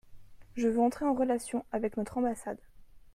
Je veux entrer en relation avec notre ambassade.